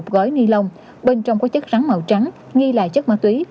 một gói ni lông bên trong có chất rắn màu trắng nghi là chất ma túy